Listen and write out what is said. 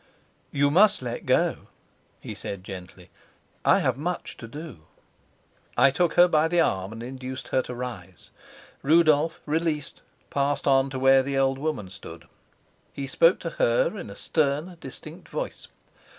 "You must let go," he said gently. "I have much to do." I took her by the arm and induced her to rise. Rudolf, released, passed on to where the old woman stood. He spoke to her in a stern, distinct voice.